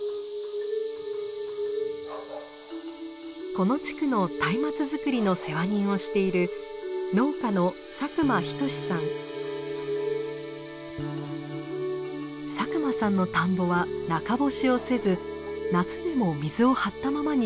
この地区の松明づくりの世話人をしている農家の佐久間さんの田んぼは中干しをせず夏でも水を張ったままにしています。